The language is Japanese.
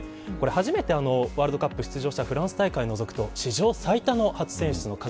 初めてワールドカップに出場したフランス大会を除くと史上最多です。